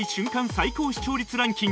最高視聴率ランキング